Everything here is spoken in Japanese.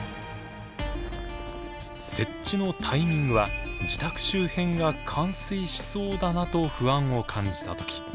設置のタイミングは自宅周辺が冠水しそうだなと不安を感じたとき。